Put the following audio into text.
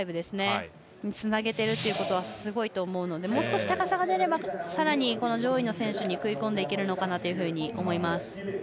それにつなげてるのはすごいと思うのでもう少し高さが出ればさらに、上位の選手に食い込んでいけると思います。